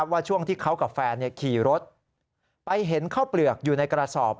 ว่าช่วงที่เขากับแฟนขี่รถไปเห็นข้าวเปลือกอยู่ในกระสอบ